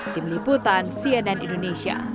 tim liputan sianan indonesia